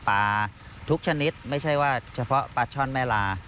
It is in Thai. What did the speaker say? ปลาทุกชนิดไม่ใช่ว่าเฉพาะปลาช่อนแม่ลา